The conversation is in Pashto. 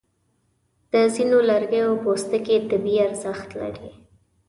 د ځینو لرګیو پوستکي طبي ارزښت لري.